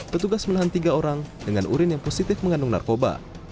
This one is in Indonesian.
petugas menahan tiga orang dengan urin yang positif mengandung narkoba